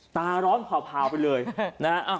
ตาร้อนพาวไปเลยนะ